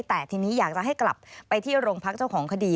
แต่ทีนี้อยากจะให้กลับไปที่โรงพักเจ้าของคดี